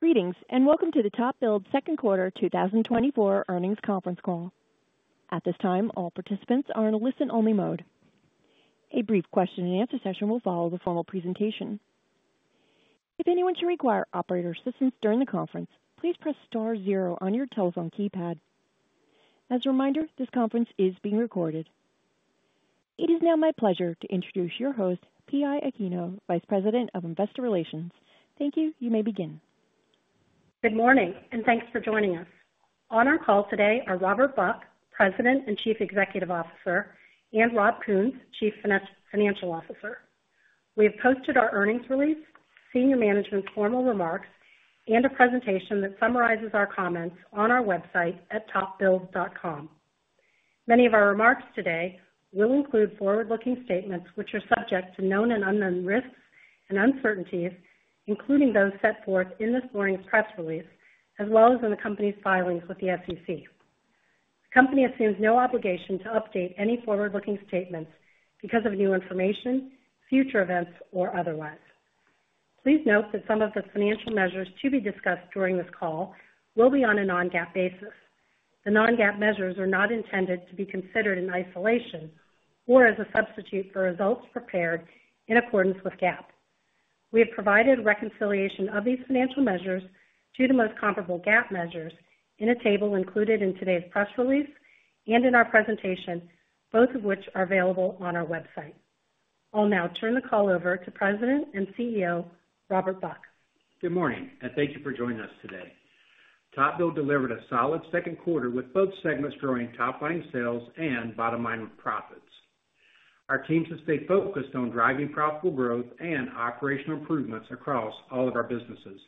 ...Greetings, and welcome to TopBuild's Second Quarter 2024 Earnings Conference Call. At this time, all participants are in a listen-only mode. A brief question-and-answer session will follow the formal presentation. If anyone should require operator assistance during the conference, please press star zero on your telephone keypad. As a reminder, this conference is being recorded. It is now my pleasure to introduce your host, PI Aquino, Vice President of Investor Relations. Thank you. You may begin. Good morning, and thanks for joining us. On our call today are Robert Buck, President and Chief Executive Officer, and Rob Kuhns, Chief Financial Officer. We have posted our earnings release, senior management's formal remarks, and a presentation that summarizes our comments on our website at topbuild.com. Many of our remarks today will include forward-looking statements, which are subject to known and unknown risks and uncertainties, including those set forth in this morning's press release, as well as in the company's filings with the SEC. The company assumes no obligation to update any forward-looking statements because of new information, future events, or otherwise. Please note that some of the financial measures to be discussed during this call will be on a non-GAAP basis. The non-GAAP measures are not intended to be considered in isolation or as a substitute for results prepared in accordance with GAAP. We have provided reconciliation of these financial measures to the most comparable GAAP measures in a table included in today's press release and in our presentation, both of which are available on our website. I'll now turn the call over to President and CEO, Robert Buck. Good morning, and thank you for joining us today. TopBuild delivered a solid second quarter, with both segments growing top line sales and bottom line profits. Our teams have stayed focused on driving profitable growth and operational improvements across all of our businesses,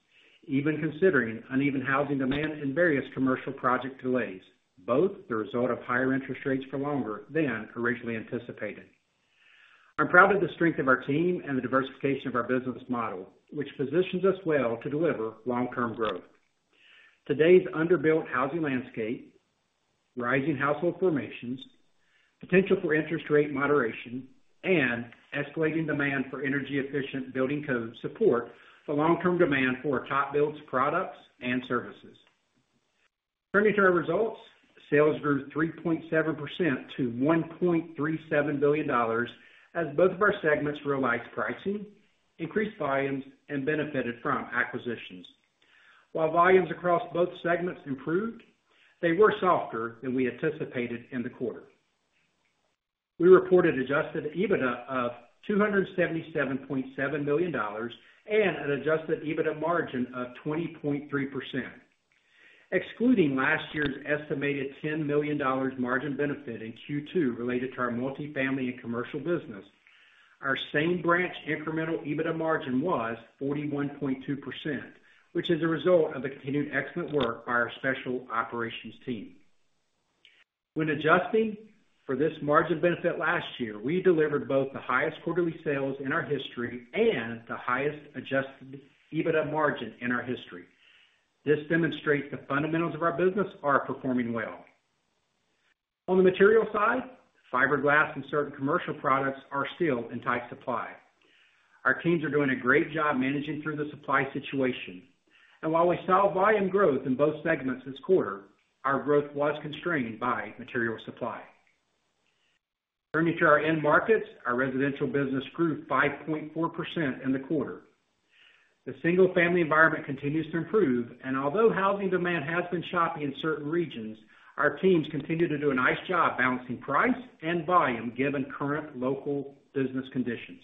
even considering uneven housing demand and various commercial project delays, both the result of higher interest rates for longer than originally anticipated. I'm proud of the strength of our team and the diversification of our business model, which positions us well to deliver long-term growth. Today's underbuilt housing landscape, rising household formations, potential for interest rate moderation, and escalating demand for energy-efficient building codes support the long-term demand for TopBuild's products and services. Turning to our results, sales grew 3.7% to $1.37 billion, as both of our segments realized pricing, increased volumes, and benefited from acquisitions. While volumes across both segments improved, they were softer than we anticipated in the quarter. We reported adjusted EBITDA of $277.7 million and an adjusted EBITDA margin of 20.3%. Excluding last year's estimated $10 million margin benefit in Q2 related to our multifamily and commercial business, our same branch incremental EBITDA margin was 41.2%, which is a result of the continued excellent work by our Special Ops team. When adjusting for this margin benefit last year, we delivered both the highest quarterly sales in our history and the highest adjusted EBITDA margin in our history. This demonstrates the fundamentals of our business are performing well. On the material side, fiberglass and certain commercial products are still in tight supply. Our teams are doing a great job managing through the supply situation, and while we saw volume growth in both segments this quarter, our growth was constrained by material supply. Turning to our end markets, our residential business grew 5.4% in the quarter. The single-family environment continues to improve, and although housing demand has been choppy in certain regions, our teams continue to do a nice job balancing price and volume, given current local business conditions.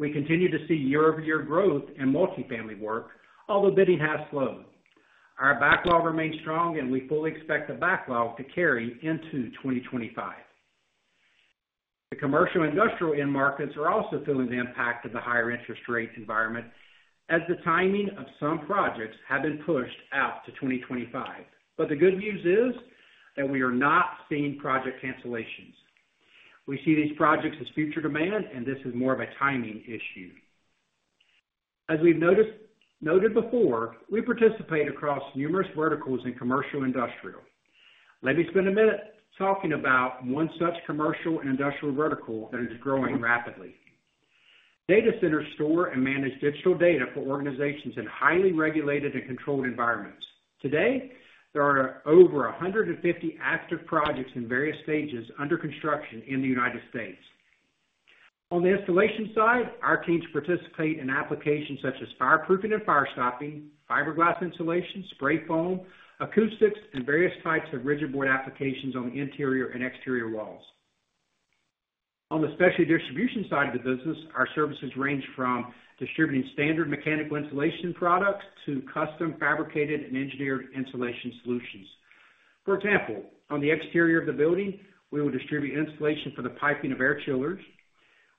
We continue to see year-over-year growth in multifamily work, although bidding has slowed. Our backlog remains strong, and we fully expect the backlog to carry into 2025. The commercial and industrial end markets are also feeling the impact of the higher interest rate environment as the timing of some projects have been pushed out to 2025. But the good news is that we are not seeing project cancellations. We see these projects as future demand, and this is more of a timing issue. As we've noted before, we participate across numerous verticals in commercial and industrial. Let me spend a minute talking about one such commercial and industrial vertical that is growing rapidly. Data centers store and manage digital data for organizations in highly regulated and controlled environments. Today, there are over 150 active projects in various stages under construction in the United States. On the installation side, our teams participate in applications such as fireproofing and fire stopping, fiberglass insulation, spray foam, acoustics, and various types of rigid board applications on interior and exterior walls. On the specialty distribution side of the business, our services range from distributing standard mechanical insulation products to custom fabricated and engineered insulation solutions. For example, on the exterior of the building, we will distribute insulation for the piping of air chillers.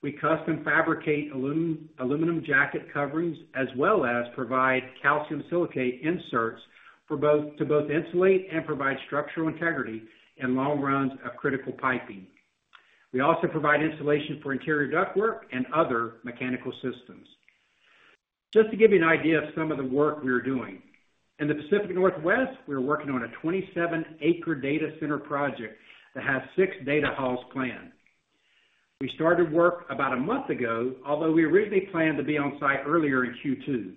We custom fabricate aluminum jacket coverings, as well as provide calcium silicate inserts to both insulate and provide structural integrity in long runs of critical piping. We also provide insulation for interior ductwork and other mechanical systems. Just to give you an idea of some of the work we are doing, in the Pacific Northwest, we are working on a 27-acre data center project that has six data halls planned. We started work about a month ago, although we originally planned to be on site earlier in Q2.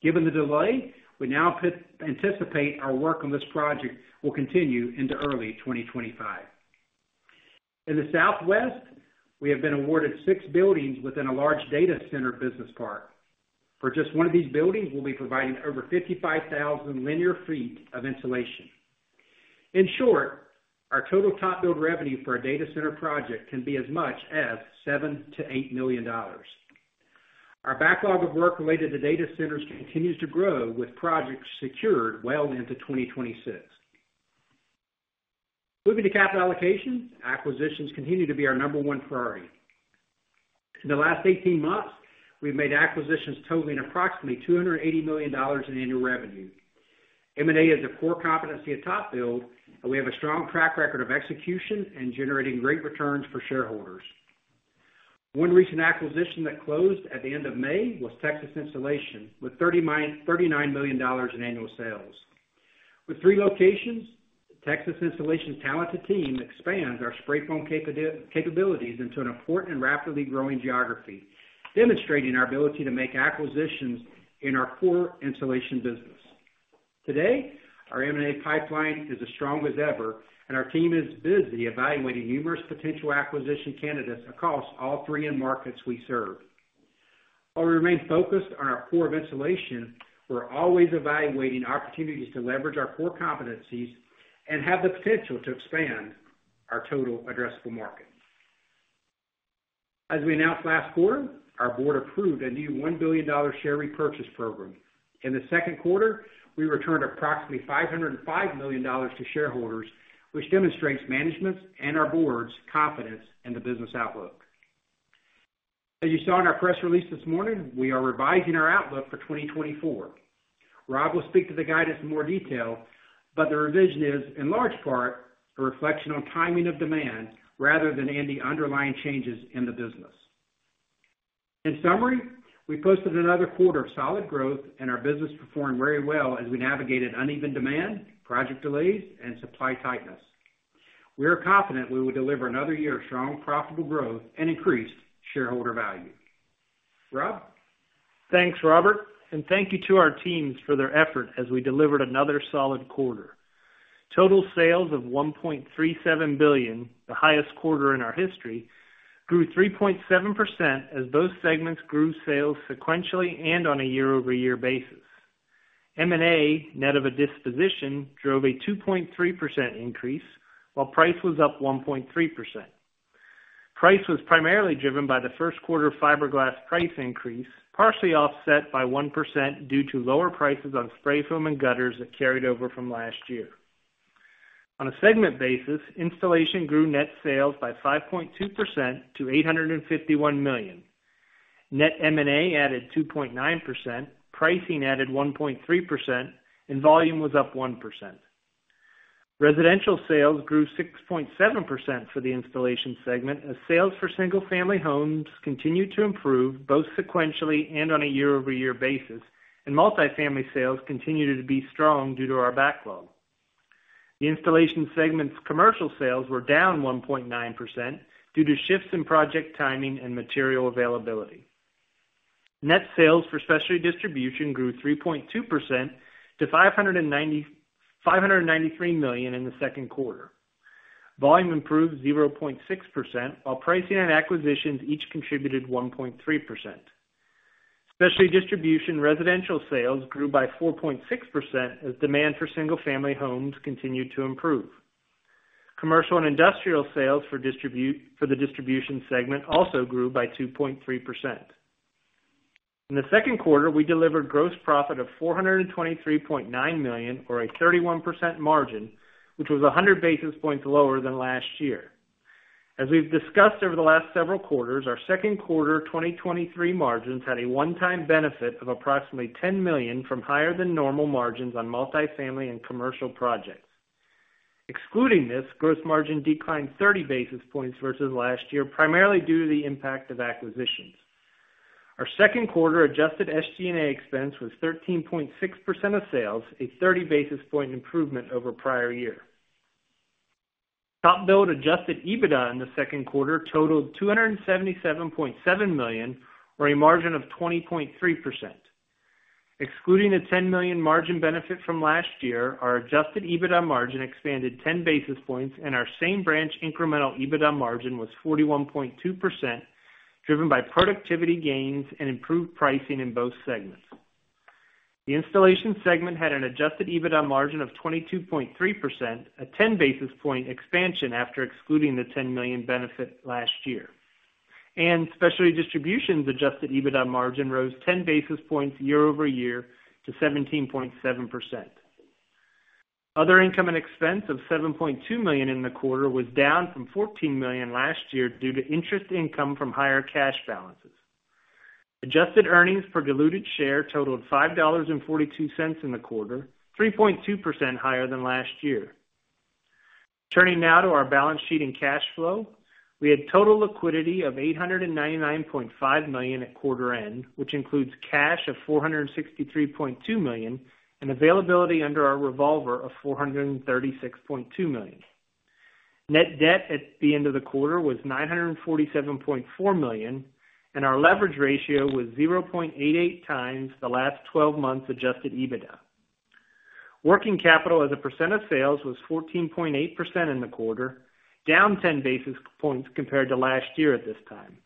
Given the delay, we now anticipate our work on this project will continue into early 2025. In the Southwest, we have been awarded six buildings within a large data center business park. For just one of these buildings, we'll be providing over 55,000 linear feet of insulation. In short, our total TopBuild revenue for a data center project can be as much as $7 million-$8 million. Our backlog of work related to data centers continues to grow, with projects secured well into 2026. Moving to capital allocation, acquisitions continue to be our number one priority. In the last 18 months, we've made acquisitions totaling approximately $280 million in annual revenue. M&A is a core competency at TopBuild, and we have a strong track record of execution and generating great returns for shareholders. One recent acquisition that closed at the end of May was Texas Insulation, with $39 million in annual sales. With three locations, Texas Insulation's talented team expands our spray foam capabilities into an important and rapidly growing geography, demonstrating our ability to make acquisitions in our core insulation business. Today, our M&A pipeline is as strong as ever, and our team is busy evaluating numerous potential acquisition candidates across all three end markets we serve. While we remain focused on our core of insulation, we're always evaluating opportunities to leverage our core competencies and have the potential to expand our total addressable market. As we announced last quarter, our board approved a new $1 billion share repurchase program. In the second quarter, we returned approximately $505 million to shareholders, which demonstrates management's and our board's confidence in the business outlook. As you saw in our press release this morning, we are revising our outlook for 2024. Rob will speak to the guidance in more detail, but the revision is, in large part, a reflection on timing of demand rather than any underlying changes in the business. In summary, we posted another quarter of solid growth, and our business performed very well as we navigated uneven demand, project delays, and supply tightness. We are confident we will deliver another year of strong, profitable growth and increased shareholder value. Rob? Thanks, Robert, and thank you to our teams for their effort as we delivered another solid quarter. Total sales of $1.37 billion, the highest quarter in our history, grew 3.7% as both segments grew sales sequentially and on a year-over-year basis. M&A, net of a disposition, drove a 2.3% increase, while price was up 1.3%. Price was primarily driven by the first quarter fiberglass price increase, partially offset by 1% due to lower prices on spray foam and gutters that carried over from last year. On a segment basis, installation grew net sales by 5.2% to $851 million. Net M&A added 2.9%, pricing added 1.3%, and volume was up 1%. Residential sales grew 6.7% for the installation segment, as sales for single-family homes continued to improve, both sequentially and on a year-over-year basis, and multifamily sales continued to be strong due to our backlog. The installation segment's commercial sales were down 1.9% due to shifts in project timing and material availability. Net sales for specialty distribution grew 3.2% to $593 million in the second quarter. Volume improved 0.6%, while pricing and acquisitions each contributed 1.3%. Specialty distribution residential sales grew by 4.6% as demand for single-family homes continued to improve. Commercial and industrial sales for the distribution segment also grew by 2.3%. In the second quarter, we delivered gross profit of $423.9 million, or a 31% margin, which was 100 basis points lower than last year. As we've discussed over the last several quarters, our second quarter 2023 margins had a one-time benefit of approximately $10 million from higher than normal margins on multifamily and commercial projects. Excluding this, gross margin declined 30 basis points versus last year, primarily due to the impact of acquisitions. Our second quarter adjusted SG&A expense was 13.6% of sales, a 30 basis point improvement over prior year. TopBuild adjusted EBITDA in the second quarter totaled $277.7 million, or a margin of 20.3%. Excluding the $10 million margin benefit from last year, our Adjusted EBITDA margin expanded 10 basis points, and our same branch incremental EBITDA margin was 41.2%, driven by productivity gains and improved pricing in both segments. The installation segment had an Adjusted EBITDA margin of 22.3%, a 10 basis point expansion after excluding the $10 million benefit last year. Specialty distributions Adjusted EBITDA margin rose 10 basis points year-over-year to 17.7%. Other income and expense of $7.2 million in the quarter was down from $14 million last year due to interest income from higher cash balances. Adjusted earnings per diluted share totaled $5.42 in the quarter, 3.2% higher than last year. Turning now to our balance sheet and cash flow, we had total liquidity of $899.5 million at quarter end, which includes cash of $463.2 million, and availability under our revolver of $436.2 million. Net debt at the end of the quarter was $947.4 million, and our leverage ratio was 0.88x last twelve months Adjusted EBITDA. Working capital as a percent of sales was 14.8% in the quarter, down 10 basis points compared to last year at this time.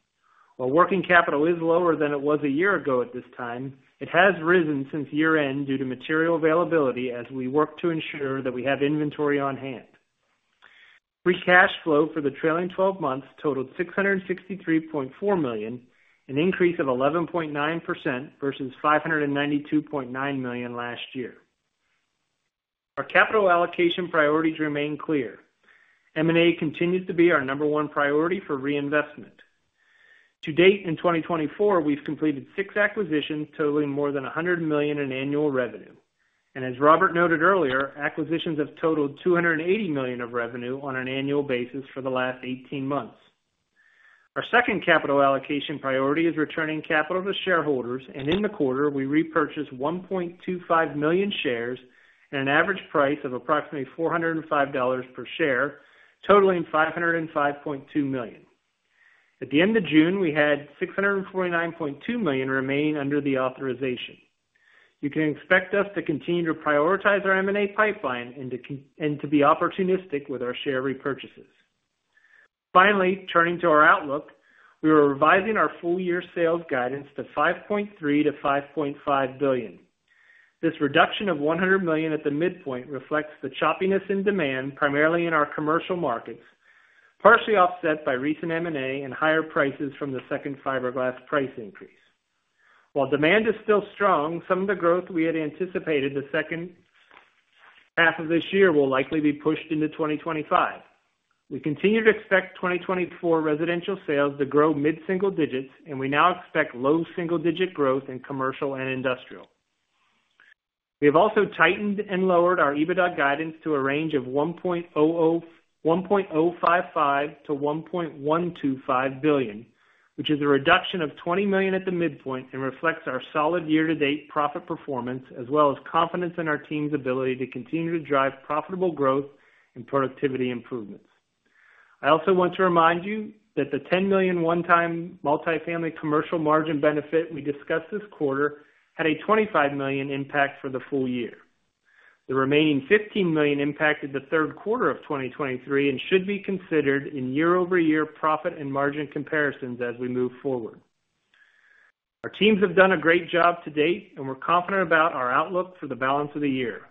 While working capital is lower than it was a year ago at this time, it has risen since year-end due to material availability as we work to ensure that we have inventory on hand. Free cash flow for the trailing twelve months totaled $663.4 million, an increase of 11.9% versus $592.9 million last year. Our capital allocation priorities remain clear. M&A continues to be our number one priority for reinvestment. To date, in 2024, we've completed 6 acquisitions totaling more than $100 million in annual revenue. As Robert noted earlier, acquisitions have totaled $280 million of revenue on an annual basis for the last 18 months. Our second capital allocation priority is returning capital to shareholders, and in the quarter, we repurchased 1.25 million shares at an average price of approximately $405 per share, totaling $505.2 million. At the end of June, we had $649.2 million remaining under the authorization. You can expect us to continue to prioritize our M&A pipeline and to be opportunistic with our share repurchases. Finally, turning to our outlook, we are revising our full-year sales guidance to $5.3 billion-$5.5 billion. This reduction of $100 million at the midpoint reflects the choppiness in demand, primarily in our commercial markets, partially offset by recent M&A and higher prices from the second fiberglass price increase. While demand is still strong, some of the growth we had anticipated the second half of this year will likely be pushed into 2025. We continue to expect 2024 residential sales to grow mid-single digits, and we now expect low single-digit growth in commercial and industrial. We have also tightened and lowered our EBITDA guidance to a range of $1.055 billion-$1.125 billion, which is a reduction of $20 million at the midpoint and reflects our solid year-to-date profit performance, as well as confidence in our team's ability to continue to drive profitable growth and productivity improvements. I also want to remind you that the $10 million one-time multifamily commercial margin benefit we discussed this quarter had a $25 million impact for the full year. The remaining $15 million impacted the third quarter of 2023 and should be considered in year-over-year profit and margin comparisons as we move forward. Our teams have done a great job to date, and we're confident about our outlook for the balance of the year.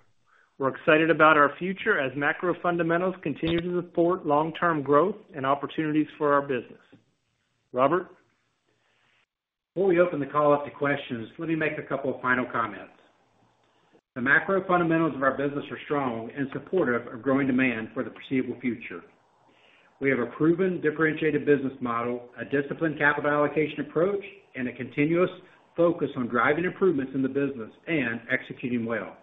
We're excited about our future as macro fundamentals continue to support long-term growth and opportunities for our business. Robert? Before we open the call up to questions, let me make a couple of final comments. The macro fundamentals of our business are strong and supportive of growing demand for the foreseeable future. We have a proven, differentiated business model, a disciplined capital allocation approach, and a continuous focus on driving improvements in the business and executing well.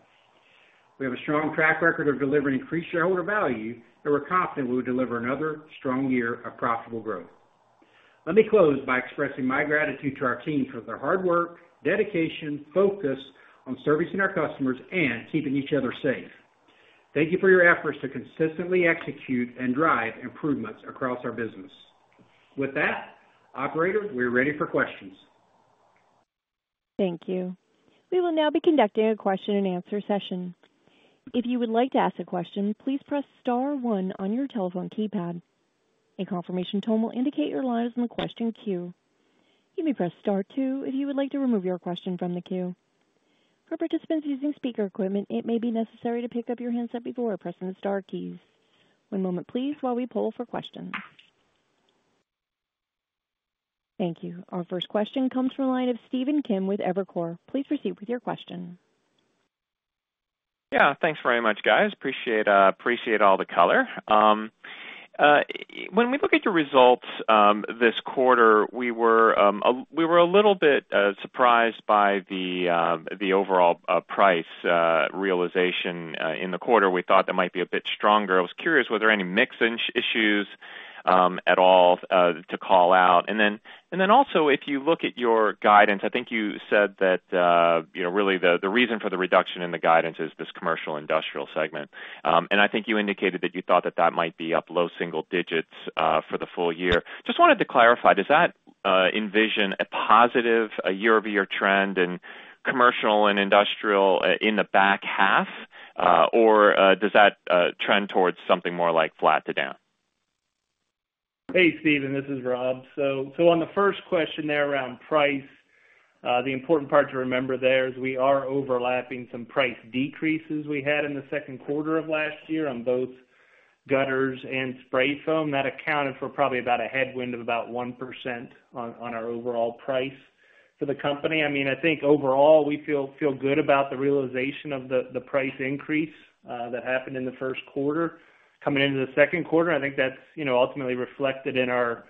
We have a strong track record of delivering increased shareholder value, and we're confident we will deliver another strong year of profitable growth. Let me close by expressing my gratitude to our teams for their hard work, dedication, focus on servicing our customers, and keeping each other safe. Thank you for your efforts to consistently execute and drive improvements across our business. With that, operator, we are ready for questions. Thank you. We will now be conducting a question-and-answer session. If you would like to ask a question, please press star one on your telephone keypad. A confirmation tone will indicate your line is in the question queue. You may press star two if you would like to remove your question from the queue. For participants using speaker equipment, it may be necessary to pick up your handset before pressing the star keys. One moment, please, while we poll for questions. Thank you. Our first question comes from the line of Stephen Kim with Evercore ISI. Please proceed with your question. Yeah, thanks very much, guys. Appreciate, appreciate all the color. When we look at your results, this quarter, we were a little bit surprised by the overall price realization in the quarter. We thought that might be a bit stronger. I was curious, were there any mix issues at all to call out? And then, and then also, if you look at your guidance, I think you said that, you know, really, the reason for the reduction in the guidance is this commercial industrial segment. And I think you indicated that you thought that that might be up low single digits for the full year. Just wanted to clarify, does that envision a positive year-over-year trend in commercial and industrial in the back half? Or does that trend towards something more like flat to down? Hey, Stephen, this is Rob. So on the first question there around price, the important part to remember there is we are overlapping some price decreases we had in the second quarter of last year on both gutters and spray foam. That accounted for probably about a headwind of about 1% on our overall price for the company. I mean, I think overall, we feel good about the realization of the price increase that happened in the first quarter. Coming into the second quarter, I think that's, you know, ultimately reflected in our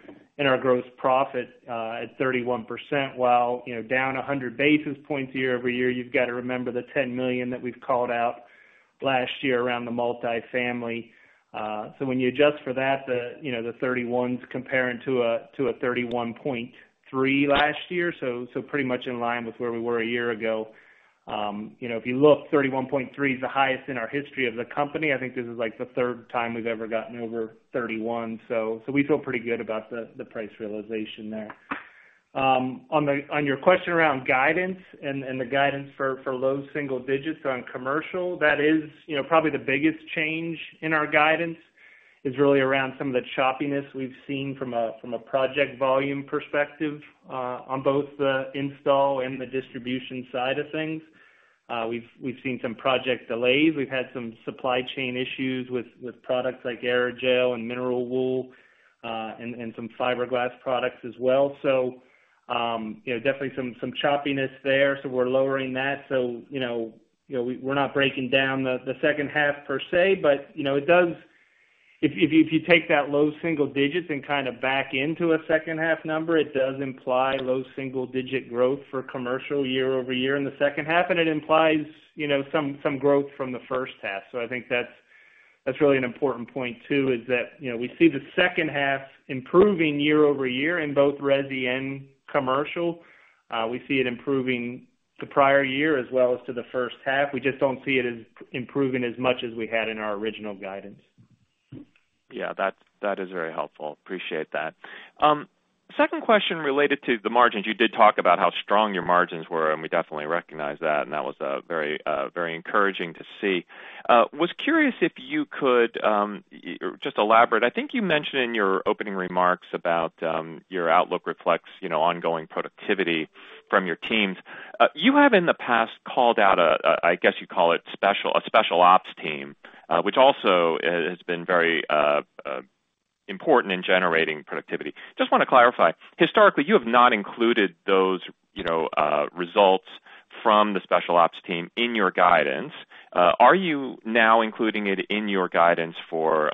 gross profit at 31%, while, you know, down 100 basis points year-over-year. You've got to remember the $10 million that we've called out last year around the multifamily. So when you adjust for that, you know, the 31's comparing to a 31.3% last year, so pretty much in line with where we were a year ago. You know, if you look, 31.3% is the highest in our history of the company. I think this is, like, the third time we've ever gotten over 31%. So we feel pretty good about the price realization there. On your question around guidance and the guidance for low single digits on commercial, that is, you know, probably the biggest change in our guidance, is really around some of the choppiness we've seen from a project volume perspective, on both the install and the distribution side of things. We've seen some project delays. We've had some supply chain issues with products like aerogel and mineral wool, and some fiberglass products as well. So, you know, definitely some choppiness there, so we're lowering that. So, you know, you know, we're not breaking down the second half per se, but, you know, it does, if you take that low single digits and kind of back into a second half number, it does imply low single-digit growth for commercial year-over-year in the second half, and it implies, you know, some growth from the first half. So I think that's really an important point, too, is that, you know, we see the second half improving year-over-year in both resi and commercial. We see it improving the prior year as well as to the first half. We just don't see it as improving as much as we had in our original guidance. Yeah, that is very helpful. Appreciate that. Second question related to the margins. You did talk about how strong your margins were, and we definitely recognize that, and that was very encouraging to see. Was curious if you could just elaborate. I think you mentioned in your opening remarks about your outlook reflects, you know, ongoing productivity from your teams. You have, in the past, called out a Special Ops team, which also has been very important in generating productivity. Just want to clarify. Historically, you have not included those, you know, results from the Special Ops team in your guidance. Are you now including it in your guidance for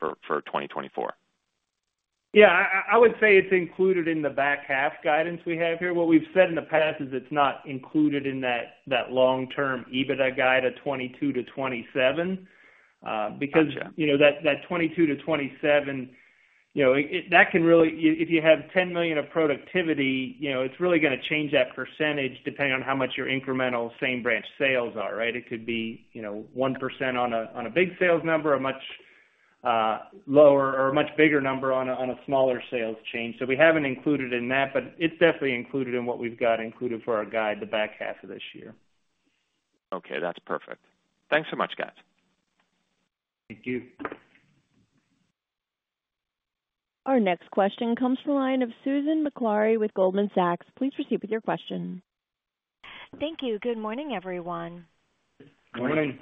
2024? Yeah, I, I would say it's included in the back half guidance we have here. What we've said in the past is it's not included in that, that long-term EBITDA guide of 22%-27%. Gotcha. Because, you know, that 22%-27%, you know, it—that can really... If you have $10 million of productivity, you know, it's really gonna change that percentage depending on how much your incremental same-branch sales are, right? It could be, you know, 1% on a big sales number, a much lower or a much bigger number on a smaller sales change. So we haven't included in that, but it's definitely included in what we've got included for our guide, the back half of this year. Okay, that's perfect. Thanks so much, guys. Thank you. Our next question comes from the line of Susan Maklari with Goldman Sachs. Please proceed with your question. Thank you. Good morning, everyone. Good morning. Morning.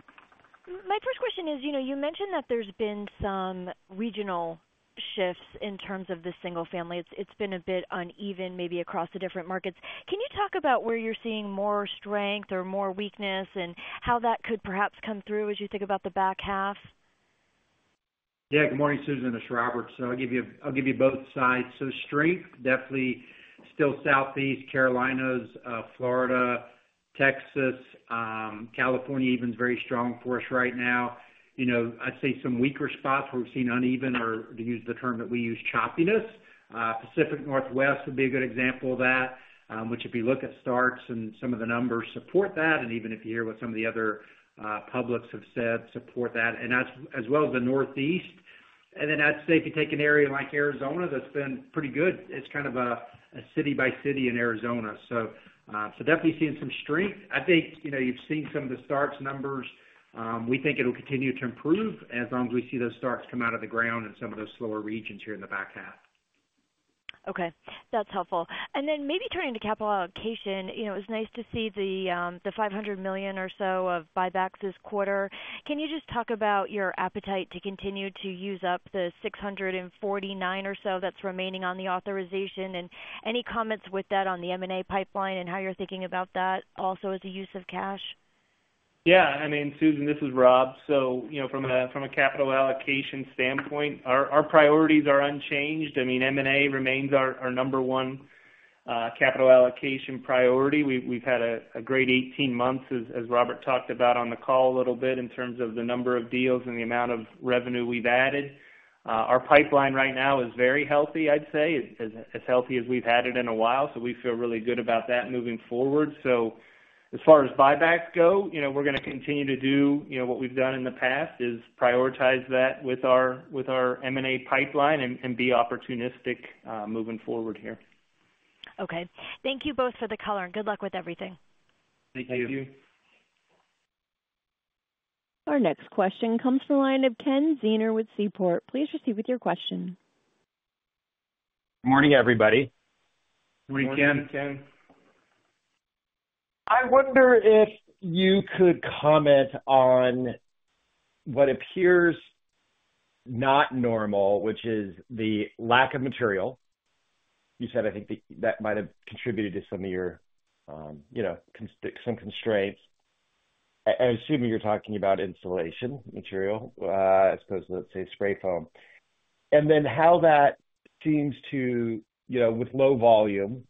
My first question is, you know, you mentioned that there's been some regional shifts in terms of the single-family. It's, it's been a bit uneven, maybe across the different markets. Can you talk about where you're seeing more strength or more weakness, and how that could perhaps come through as you think about the back half? Yeah. Good morning, Susan, this is Robert. So I'll give you, I'll give you both sides. So strength, definitely still Southeast, Carolinas, Florida, Texas, California, even is very strong for us right now. You know, I'd say some weaker spots where we've seen uneven or, to use the term that we use, choppiness. Pacific Northwest would be a good example of that, which if you look at starts and some of the numbers support that, and even if you hear what some of the other, publics have said, support that, and that's as well as the Northeast. And then I'd say if you take an area like Arizona, that's been pretty good. It's kind of a, a city by city in Arizona. So, so definitely seeing some strength. I think, you know, you've seen some of the starts numbers. We think it'll continue to improve as long as we see those starts come out of the ground in some of those slower regions here in the back half. Okay, that's helpful. And then maybe turning to capital allocation, you know, it's nice to see the $500 million or so of buybacks this quarter. Can you just talk about your appetite to continue to use up the $649 million or so that's remaining on the authorization? And any comments with that on the M&A pipeline and how you're thinking about that also as a use of cash? Yeah, I mean, Susan, this is Rob. So, you know, from a capital allocation standpoint, our priorities are unchanged. I mean, M&A remains our number one capital allocation priority. We've had a great 18 months, as Robert talked about on the call a little bit, in terms of the number of deals and the amount of revenue we've added. Our pipeline right now is very healthy, I'd say, as healthy as we've had it in a while, so we feel really good about that moving forward. So as far as buybacks go, you know, we're gonna continue to do what we've done in the past, is prioritize that with our M&A pipeline and be opportunistic moving forward here. Okay. Thank you both for the color, and good luck with everything. Thank you. Thank you. Our next question comes from the line of Ken Zener with Seaport. Please proceed with your question. Morning, everybody. Morning, Ken. Morning, Ken. I wonder if you could comment on what appears not normal, which is the lack of material. You said, I think, that, that might have contributed to some of your, you know, constraints. I'm assuming you're talking about insulation material, I suppose, let's say, spray foam. And then how that seems to, you know, with low volume,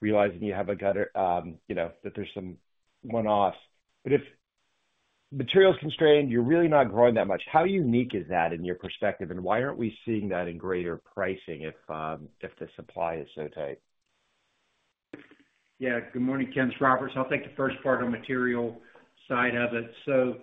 realizing you have a gutter, you know, that there's some one-offs, but if materials constrained, you're really not growing that much. How unique is that in your perspective, and why aren't we seeing that in greater pricing if the supply is so tight? Yeah. Good morning, Ken, it's Robert. I'll take the first part on material side of it. So,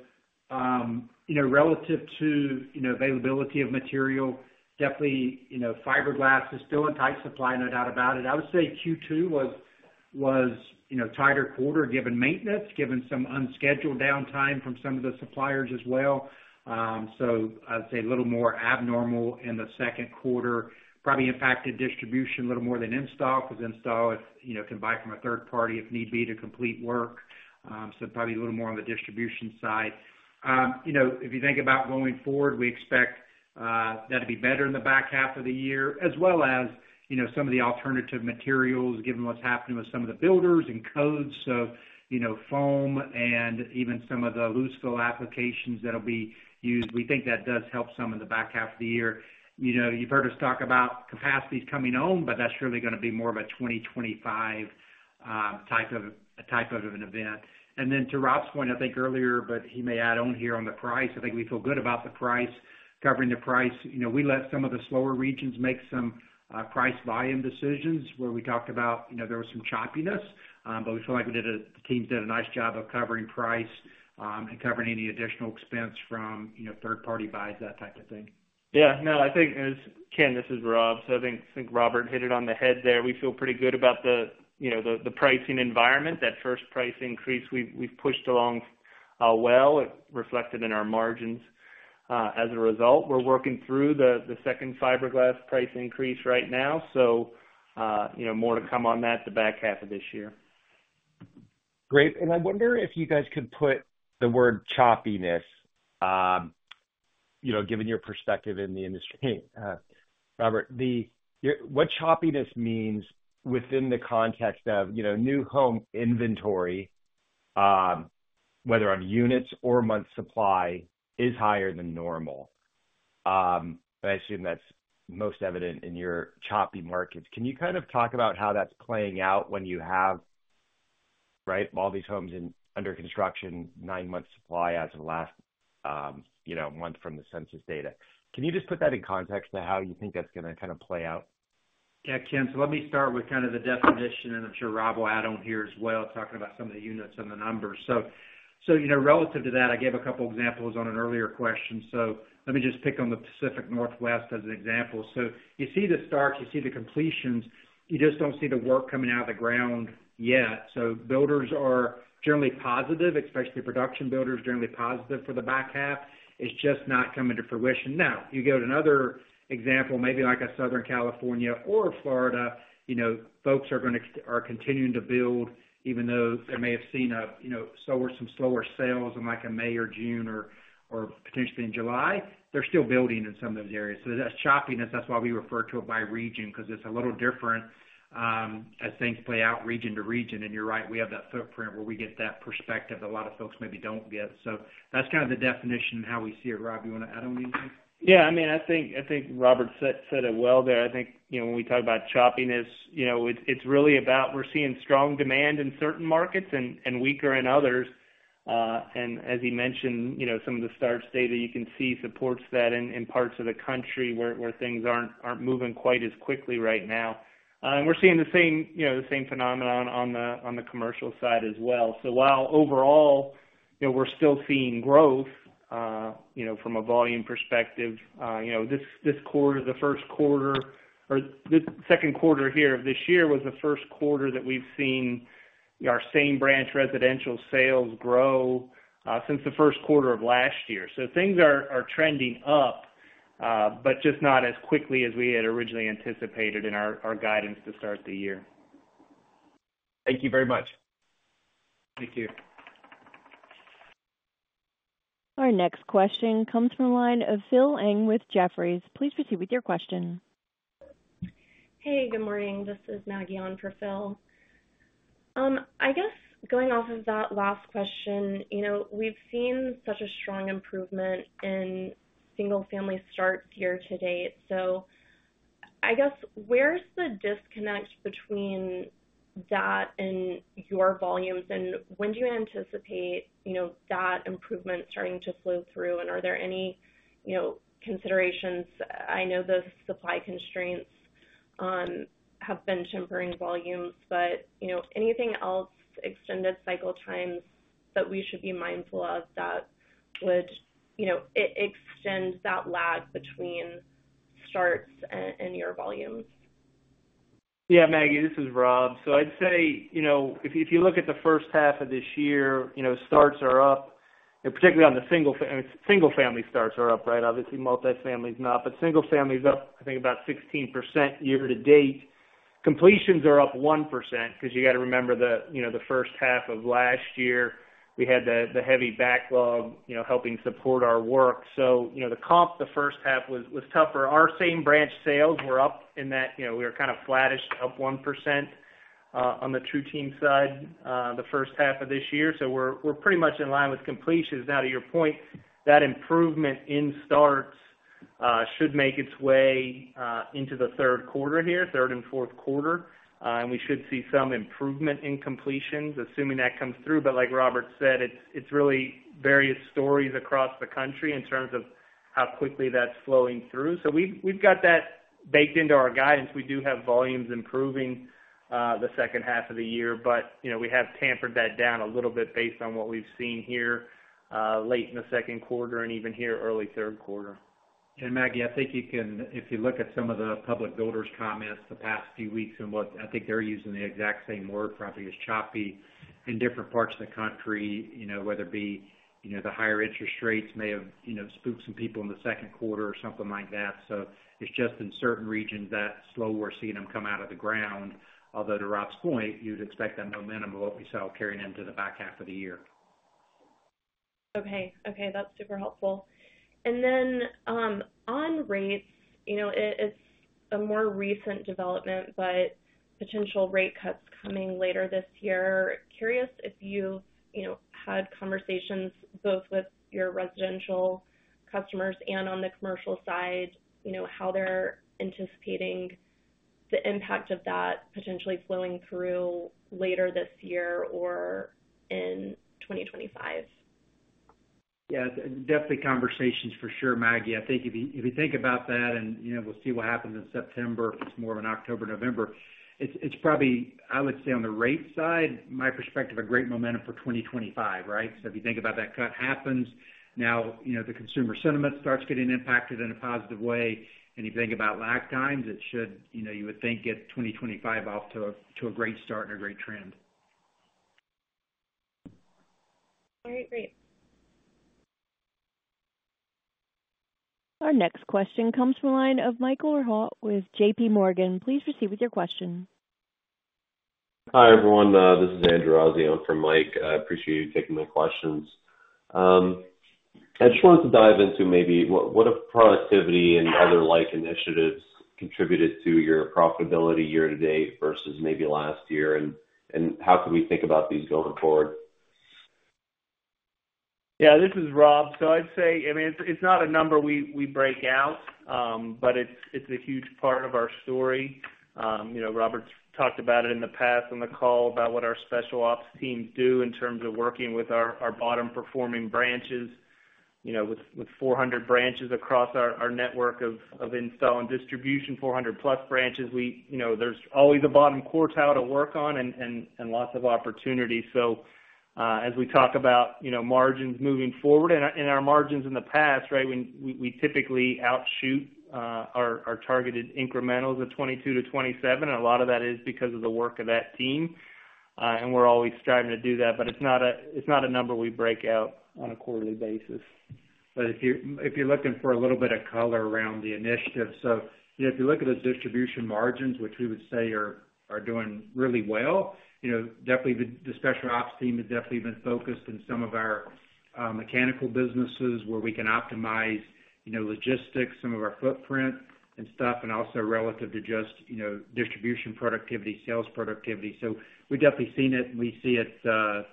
you know, relative to, you know, availability of material, definitely, you know, fiberglass is still in tight supply, no doubt about it. I would say Q2 was, you know, tighter quarter given maintenance, given some unscheduled downtime from some of the suppliers as well. So I'd say a little more abnormal in the second quarter, probably impacted distribution a little more than in-stock, because in-stock, it, you know, can buy from a third party if need be, to complete work. So probably a little more on the distribution side. You know, if you think about going forward, we expect that to be better in the back half of the year, as well as, you know, some of the alternative materials, given what's happening with some of the builders and codes. So, you know, foam and even some of the loose fill applications that'll be used, we think that does help some in the back half of the year. You know, you've heard us talk about capacities coming on, but that's really going to be more of a 2025 type of an event. And then to Rob's point, I think earlier, but he may add on here on the price. I think we feel good about the price, covering the price. You know, we let some of the slower regions make some price volume decisions, where we talked about, you know, there was some choppiness, but we feel like the teams did a nice job of covering price, and covering any additional expense from, you know, third-party buys, that type of thing. Yeah, no, I think as Ken, this is Rob. So I think Robert hit it on the head there. We feel pretty good about the, you know, the pricing environment. That first price increase, we've pushed along, well, it reflected in our margins. As a result, we're working through the second fiberglass price increase right now. So, you know, more to come on that the back half of this year. Great. I wonder if you guys could put the word choppiness, you know, given your perspective in the industry. Robert, your what choppiness means within the context of, you know, new home inventory, whether on units or month supply is higher than normal. But I assume that's most evident in your choppy markets. Can you kind of talk about how that's playing out when you have, right, all these homes under construction, nine months supply as of last, you know, month from the census data? Can you just put that in context to how you think that's going to kind of play out? Yeah, Ken, so let me start with kind of the definition, and I'm sure Rob will add on here as well, talking about some of the units and the numbers. So, you know, relative to that, I gave a couple examples on an earlier question. So let me just pick on the Pacific Northwest as an example. So you see the starts, you see the completions, you just don't see the work coming out of the ground yet. So builders are generally positive, especially production builders, generally positive for the back half. It's just not coming to fruition. Now, you go to another example, maybe like a Southern California or Florida, you know, folks are continuing to build, even though they may have seen a, you know, some slower sales in, like, May or June or potentially in July. They're still building in some of those areas. So that's choppiness. That's why we refer to it by region, because it's a little different, as things play out region to region. And you're right, we have that footprint where we get that perspective that a lot of folks maybe don't get. So that's kind of the definition and how we see it. Rob, you want to add on anything? Yeah, I mean, I think Robert said it well there. I think, you know, when we talk about choppiness, you know, it's really about we're seeing strong demand in certain markets and weaker in others. And as he mentioned, you know, some of the starts data you can see supports that in parts of the country where things aren't moving quite as quickly right now. And we're seeing the same, you know, the same phenomenon on the commercial side as well. So while overall, you know, we're still seeing growth, you know, from a volume perspective, you know, this quarter, the first quarter or this second quarter here of this year, was the first quarter that we've seen our same-branch residential sales grow, since the first quarter of last year. So things are trending up, but just not as quickly as we had originally anticipated in our guidance to start the year. Thank you very much. Thank you. Our next question comes from the line of Phil Ng with Jefferies. Please proceed with your question. Hey, good morning. This is Maggie on for Phil. I guess going off of that last question, you know, we've seen such a strong improvement in single-family starts year to date. So I guess, where's the disconnect between that and your volumes? And when do you anticipate, you know, that improvement starting to flow through? And are there any, you know, considerations? I know the supply constraints have been tempering volumes, but, you know, anything else, extended cycle times that we should be mindful of that would, you know, extend that lag between starts and your volumes? Yeah, Maggie, this is Rob. So I'd say, you know, if, if you look at the first half of this year, you know, starts are up, and particularly on the single-family starts are up, right? Obviously, multifamily is not, but single-family is up, I think, about 16% year to date. Completions are up 1%, because you got to remember the, you know, the first half of last year, we had the, the heavy backlog, you know, helping support our work. So, you know, the comp, the first half was tougher. Our same-branch sales were up in that, you know, we were kind of flattish, up 1% on the TruTeam side the first half of this year. So we're, we're pretty much in line with completions. Now, to your point, that improvement in starts-... Should make its way into the third quarter here, third and fourth quarter. And we should see some improvement in completions, assuming that comes through. But like Robert said, it's really various stories across the country in terms of how quickly that's flowing through. So we've got that baked into our guidance. We do have volumes improving the second half of the year, but you know, we have tempered that down a little bit based on what we've seen here late in the second quarter and even here early third quarter. And Maggie, I think you can—if you look at some of the public builders' comments the past few weeks, and what—I think they're using the exact same word, probably, as choppy in different parts of the country, you know, whether it be, you know, the higher interest rates may have, you know, spooked some people in the second quarter or something like that. So it's just in certain regions that slow we're seeing them come out of the ground. Although to Rob's point, you'd expect that momentum of what we saw carrying into the back half of the year. Okay. Okay, that's super helpful. And then, on rates, you know, it, it's a more recent development, but potential rate cuts coming later this year. Curious if you, you know, had conversations both with your residential customers and on the commercial side, you know, how they're anticipating the impact of that potentially flowing through later this year or in 2025? Yeah, definitely conversations for sure, Maggie. I think if you, if you think about that and, you know, we'll see what happens in September, if it's more of an October, November. It's, it's probably, I would say, on the rate side, my perspective, a great momentum for 2025, right? So if you think about that cut happens, now, you know, the consumer sentiment starts getting impacted in a positive way, and you think about lag times, it should, you know, you would think, get 2025 off to a, to a great start and a great trend. All right, great. Our next question comes from the line of Michael Rehaut with JPMorgan. Please proceed with your question. Hi, everyone, this is Andrew Azzi in for Mike. I appreciate you taking my questions. I just wanted to dive into maybe what have productivity and other like initiatives contributed to your profitability year to date versus maybe last year? And how can we think about these going forward? Yeah, this is Rob. So I'd say, I mean, it's not a number we break out, but it's a huge part of our story. You know, Robert's talked about it in the past on the call about what our Special Ops teams do in terms of working with our bottom-performing branches. You know, with 400 branches across our network of install and distribution, 400+ branches, you know, there's always a bottom quartile to work on and lots of opportunities. So, as we talk about, you know, margins moving forward and our margins in the past, right? When we typically outshoot our targeted incrementals of 22-27, and a lot of that is because of the work of that team. We're always striving to do that, but it's not a number we break out on a quarterly basis. But if you're looking for a little bit of color around the initiative. So, you know, if you look at the distribution margins, which we would say are doing really well, you know, definitely the Special Ops team has definitely been focused in some of our mechanical businesses, where we can optimize, you know, logistics, some of our footprint and stuff, and also relative to just, you know, distribution productivity, sales productivity. So we've definitely seen it, and we see it,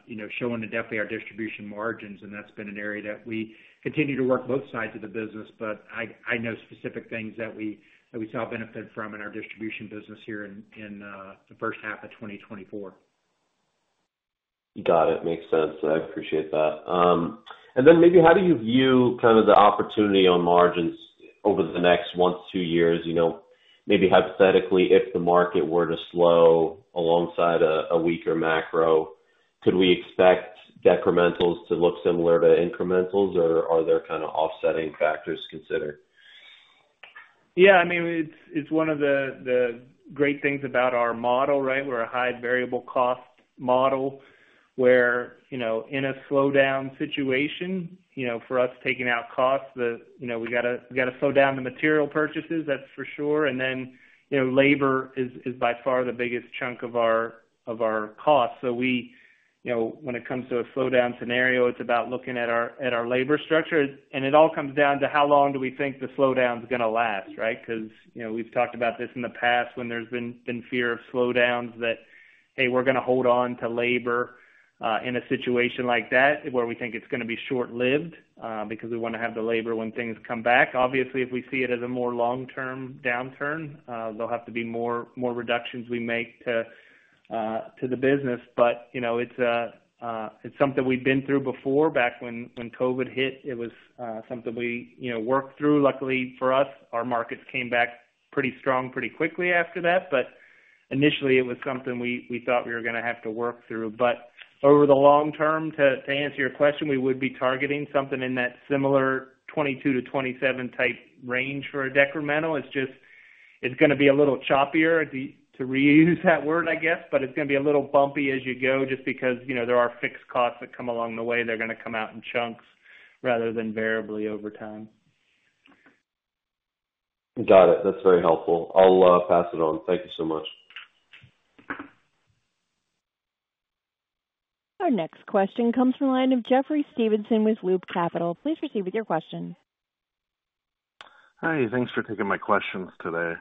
you know, showing in definitely our distribution margins, and that's been an area that we continue to work both sides of the business. But I know specific things that we saw benefit from in our distribution business here in the first half of 2024. Got it. Makes sense. I appreciate that. And then maybe how do you view kind of the opportunity on margins over the next one to two years? You know, maybe hypothetically, if the market were to slow alongside a weaker macro, could we expect decrementals to look similar to incrementals, or are there kind of offsetting factors considered? Yeah, I mean, it's one of the great things about our model, right? We're a high variable cost model, where, you know, in a slowdown situation, you know, for us, taking out costs. You know, we gotta slow down the material purchases, that's for sure. And then, you know, labor is by far the biggest chunk of our costs. So we, you know, when it comes to a slowdown scenario, it's about looking at our labor structure. And it all comes down to how long do we think the slowdown is gonna last, right? Because, you know, we've talked about this in the past when there's been fear of slowdowns, that, hey, we're gonna hold on to labor, in a situation like that, where we think it's gonna be short-lived, because we wanna have the labor when things come back. Obviously, if we see it as a more long-term downturn, there'll have to be more reductions we make to the business. But, you know, it's something we've been through before, back when COVID hit, it was something we, you know, worked through. Luckily, for us, our markets came back pretty strong, pretty quickly after that. But initially, it was something we thought we were gonna have to work through. But over the long term, to answer your question, we would be targeting something in that similar 22-27 type range for a decremental. It's just, it's gonna be a little choppier, to reuse that word, I guess, but it's gonna be a little bumpy as you go, just because, you know, there are fixed costs that come along the way. They're gonna come out in chunks rather than variably over time. Got it. That's very helpful. I'll pass it on. Thank you so much. Our next question comes from the line of Jeffrey Stevenson with Loop Capital. Please proceed with your question. Hi, thanks for taking my questions today.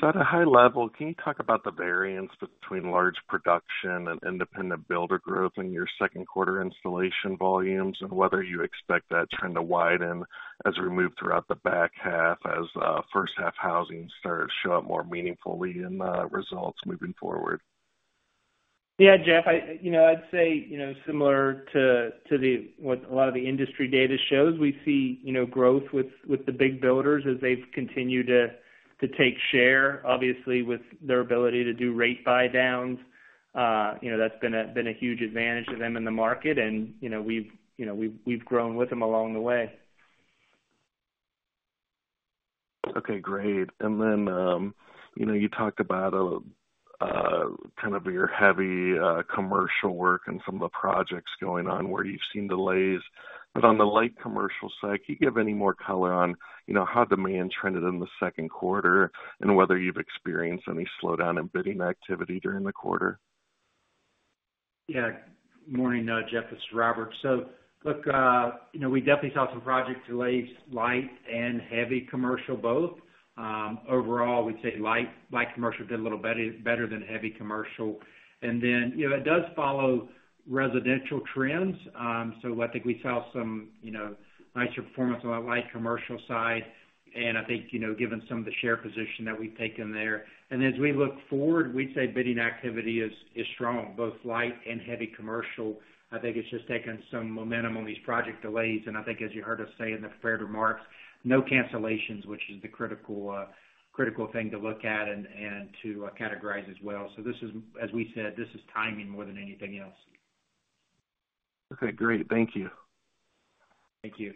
...So at a high level, can you talk about the variance between large production and independent builder growth in your second quarter installation volumes, and whether you expect that trend to widen as we move throughout the back half, as first half housing starts show up more meaningfully in the results moving forward? Yeah, Jeff, you know, I'd say, you know, similar to the what a lot of the industry data shows, we see, you know, growth with the big builders as they've continued to take share, obviously, with their ability to do rate buydowns. You know, that's been a huge advantage to them in the market. And, you know, we've grown with them along the way. Okay, great. And then, you know, you talked about kind of your heavy commercial work and some of the projects going on where you've seen delays, but on the light commercial side, can you give any more color on, you know, how demand trended in the second quarter and whether you've experienced any slowdown in bidding activity during the quarter? Yeah. Morning, Jeff, it's Robert. So look, you know, we definitely saw some project delays, light and heavy commercial both. Overall, we'd say light, light commercial did a little better, better than heavy commercial. And then, you know, it does follow residential trends. So I think we saw some, you know, nicer performance on our light commercial side. And I think, you know, given some of the share position that we've taken there, and as we look forward, we'd say bidding activity is, is strong, both light and heavy commercial. I think it's just taken some momentum on these project delays. And I think, as you heard us say in the prepared remarks, no cancellations, which is the critical, critical thing to look at and, and to, categorize as well. So this is, as we said, this is timing more than anything else. Okay, great. Thank you. Thank you.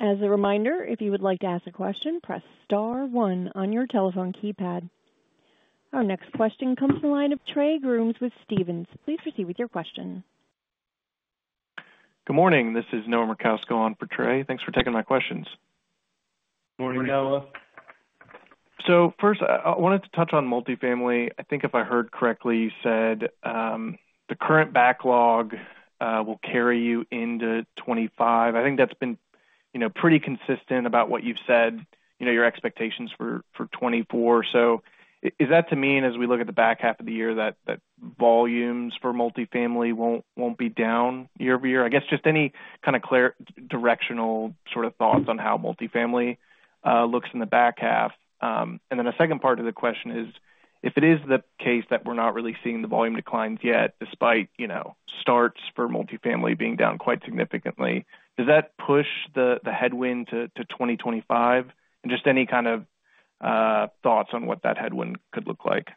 As a reminder, if you would like to ask a question, press star one on your telephone keypad. Our next question comes from the line of Trey Grooms with Stephens. Please proceed with your question. Good morning. This is Noah Merkousko on for Trey. Thanks for taking my questions. Morning, Noah. So first, I wanted to touch on multifamily. I think if I heard correctly, you said, the current backlog will carry you into 2025. I think that's been, you know, pretty consistent about what you've said, you know, your expectations for, for 2024. So is that to mean, as we look at the back half of the year, that volumes for multifamily won't be down year-over-year? I guess just any kind of clear directional sort of thoughts on how multifamily looks in the back half. And then the second part of the question is, if it is the case that we're not really seeing the volume declines yet, despite, you know, starts for multifamily being down quite significantly, does that push the headwind to 2025? Just any kind of thoughts on what that headwind could look like?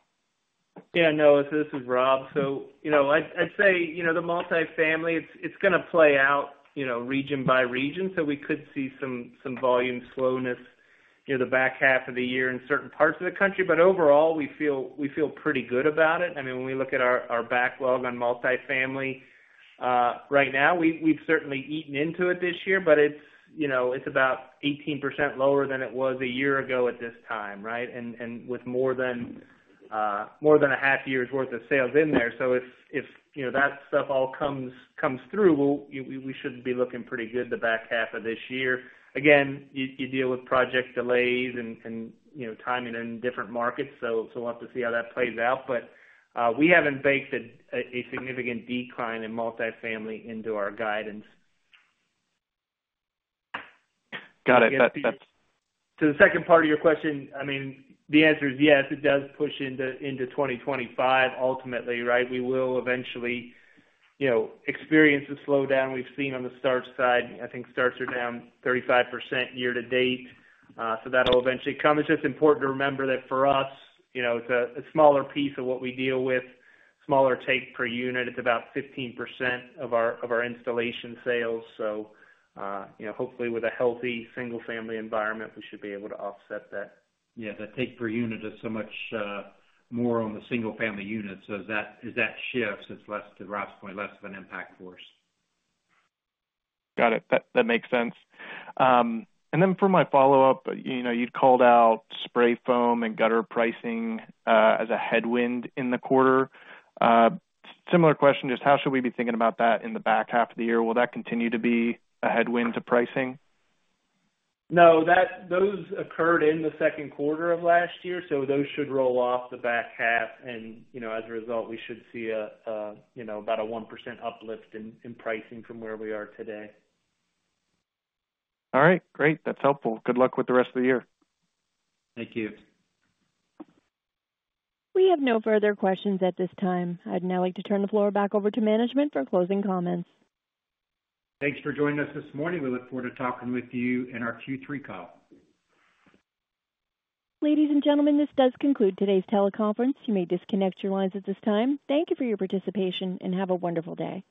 Yeah, Noah, this is Rob. So, you know, I'd say, you know, the multifamily, it's gonna play out, you know, region by region. So we could see some volume slowness near the back half of the year in certain parts of the country. But overall, we feel pretty good about it. I mean, when we look at our backlog on multifamily right now, we've certainly eaten into it this year, but it's, you know, it's about 18% lower than it was a year ago at this time, right? And with more than a half year's worth of sales in there. So if, you know, that stuff all comes through, we'll, we should be looking pretty good the back half of this year. Again, you deal with project delays and, you know, timing in different markets, so we'll have to see how that plays out. But, we haven't baked a significant decline in multifamily into our guidance. Got it. To the second part of your question, I mean, the answer is yes, it does push into, into 2025 ultimately, right? We will eventually, you know, experience the slowdown we've seen on the starts side. I think starts are down 35% year to date. So that'll eventually come. It's just important to remember that for us, you know, it's a, a smaller piece of what we deal with, smaller take per unit. It's about 15% of our, of our installation sales. So, you know, hopefully, with a healthy single-family environment, we should be able to offset that. Yeah, the take per unit is so much more on the single-family unit. So as that shifts, it's less, to Rob's point, less of an impact for us. Got it. That, that makes sense. And then for my follow-up, you know, you'd called out spray foam and gutter pricing as a headwind in the quarter. Similar question, just how should we be thinking about that in the back half of the year? Will that continue to be a headwind to pricing? No, those occurred in the second quarter of last year, so those should roll off the back half. And, you know, as a result, we should see about a 1% uplift in pricing from where we are today. All right, great. That's helpful. Good luck with the rest of the year. Thank you. We have no further questions at this time. I'd now like to turn the floor back over to management for closing comments. Thanks for joining us this morning. We look forward to talking with you in our Q3 call. Ladies and gentlemen, this does conclude today's teleconference. You may disconnect your lines at this time. Thank you for your participation, and have a wonderful day.